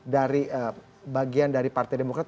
dari bagian dari partai demokrat